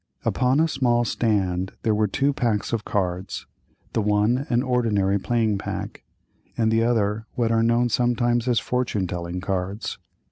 Upon a small stand were two packs of cards—the one an ordinary playing pack, and the other what are known sometimes as fortune telling cards.